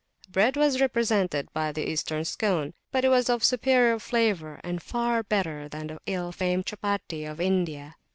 Bread was represented by the Eastern scone, but it was of superior flavour, and far better than the ill famed Chapati of India.